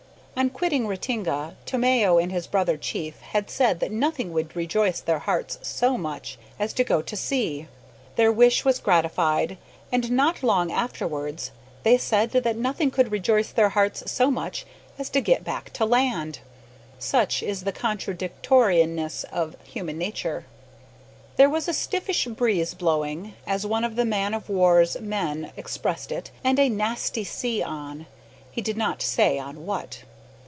On quitting Ratinga, Tomeo and his brother chief had said that nothing would rejoice their hearts so much as to go to sea. Their wish was gratified, and, not long afterwards, they said that nothing could rejoice their hearts so much as to get back to land! Such is the contradictoriness of human nature. There was a stiffish breeze blowing, as one of the man of war's men expressed it and "a nasty sea on" he did not say on what.